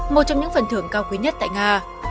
một trong những phần thưởng cao quý nhất tại nga